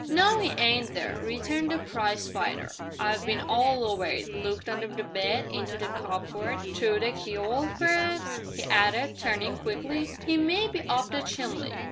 "No 'e ain't there," returned the prize fighter; "I've bin all over it looked under the bed, into the cupboard, through the key'ole; p'r'aps," he added, turning quickly, "'e may be up the chimbly!"